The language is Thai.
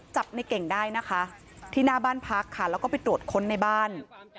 จับในเก่งได้นะคะที่หน้าบ้านพักค่ะแล้วก็ไปตรวจค้นในบ้าน